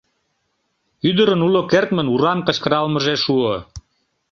Ӱдырын уло кертмын «урам» кычкыралмыже шуо.